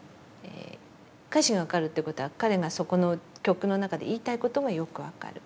歌詞が分かるってことは彼がそこの曲の中で言いたいことがよく分かる。